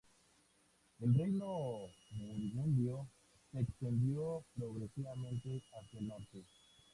El reino burgundio se extendió progresivamente hacia el norte.